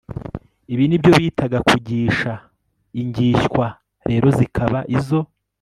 ibi ni byo bitaga kugisha. ingishywa rero zikaba izo